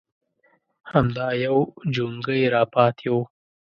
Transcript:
_همدا يو جونګۍ راپاتې و.